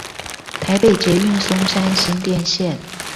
台北捷運松山新店線